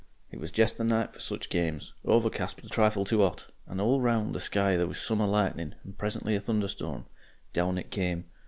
It was jest the night for such games overcast but a trifle too 'ot, and all round the sky there was summer lightning and presently a thunderstorm. Down it came.